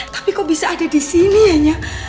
tapi kok bisa ada di sini hanya